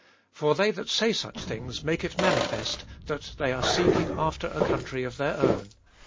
14. For they that say such things make it manifest that they are seeking after a country of their own.